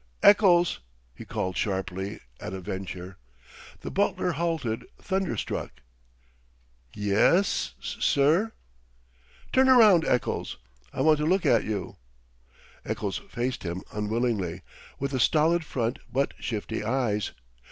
"Eccles!" he called sharply, at a venture. The butler halted, thunderstruck. "Ye es, s sir?" [Illustration: Eccles] "Turn round, Eccles; I want a look at you." Eccles faced him unwillingly, with a stolid front but shifty eyes.